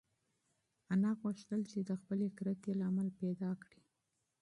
انا غوښتل چې د خپلې کرکې لامل پیدا کړي.